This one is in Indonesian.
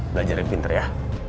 belajarin pinter ya